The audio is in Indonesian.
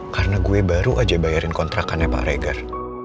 karena gue baru aja bayarin kontrakannya pak reger